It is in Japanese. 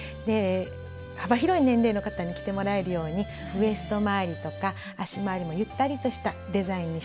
幅広い年齢の方に着てもらえるようにウエストまわりとか足まわりもゆったりとしたデザインにしています。